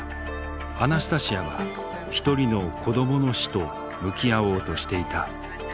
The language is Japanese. アナスタシヤは一人の子どもの死と向き合おうとしていた。